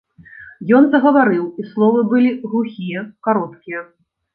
Ён загаварыў, і словы былі глухія, кароткія.